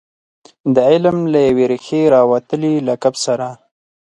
د علم له یوې ریښې راوتلي لقب سره.